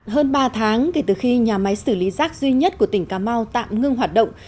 hơn ba tháng kể từ khi nhà máy xử lý rác duy nhất của tỉnh cà mau tạm ngưng hoạt động